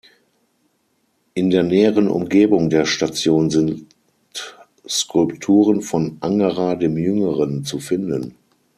In der näheren Umgebung der Station sind Skulpturen von Angerer dem Jüngeren zu finden.